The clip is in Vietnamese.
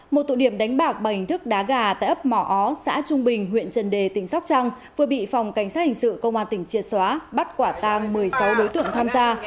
một tụ điểm đánh bạc bằng hình thức đá gà tại ấp mỏ ó xã trung bình huyện trần đề tỉnh sóc trăng vừa bị phòng cảnh sát hình sự công an tỉnh triệt xóa bắt quả tang một mươi sáu đối tượng tham gia